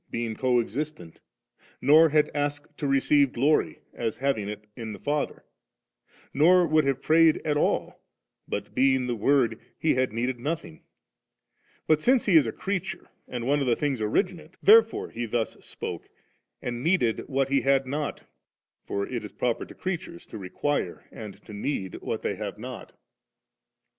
being co existent; nor had asked to receive glory, as having it in the Father; nor would have prayed at all; for, being the Word, He had needed nothing ; but since He is a creature and one of things originate, therefore He thus spoke, and needed w^t He had not ; for it is proper to creatures to require and to need what they have not" 27.